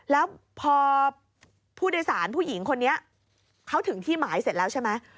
แล้วพอผู้โดยสารผู้หญิงคนนี้เขาถึงที่หมายเสร็จแล้วใช่ไหม